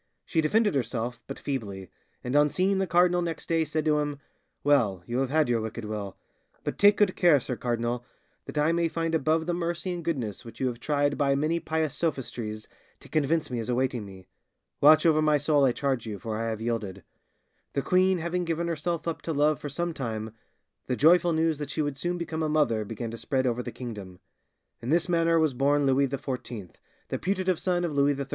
She defended herself but feebly, and on seeing the cardinal next day said to him, 'Well, you have had your wicked will; but take good care, sir cardinal, that I may find above the mercy and goodness which you have tried by many pious sophistries to convince me is awaiting me. Watch over my soul, I charge you, for I have yielded!' The queen having given herself up to love for some time, the joyful news that she would soon become a mother began to spread over the kingdom. In this manner was born Louis XIV, the putative son of Louis XIII.